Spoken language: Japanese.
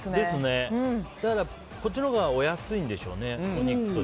こっちのほうがお安いんでしょうね。